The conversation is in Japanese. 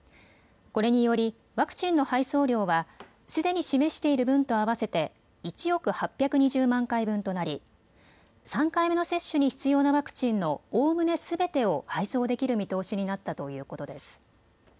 これにより、ワクチンの配送量はすでに示している分と合わせて１億８２０万回分となり３回目の接種に必要なワクチンのおおむねすべてを配送できる見通しになったということです。